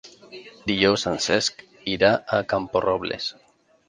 Dijous en Cesc irà a Camporrobles.